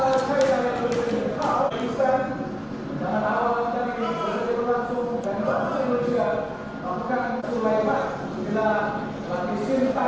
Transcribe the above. yang berkaku kaku maupun yang berkaku kaku ada rekam wawang kk jelang kk dan juga